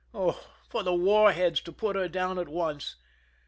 Oh, for the war heads to put her down at once